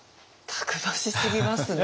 たくましすぎますね。